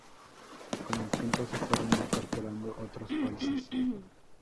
Con el tiempo se fueron incorporando otros países.